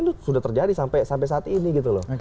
itu sudah terjadi sampai saat ini gitu loh